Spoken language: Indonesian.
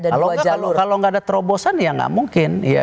kalau tidak ada terobosan ya tidak mungkin